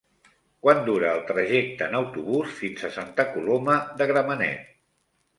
Quant dura el trajecte en autobús fins a Santa Coloma de Gramenet?